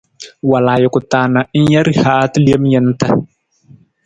Wal ajuku ta na ng ja rihaata lem jantna.